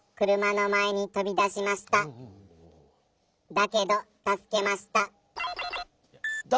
「だけどたすけた」？